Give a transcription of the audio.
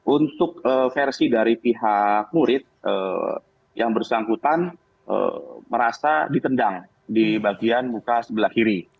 untuk versi dari pihak murid yang bersangkutan merasa ditendang di bagian muka sebelah kiri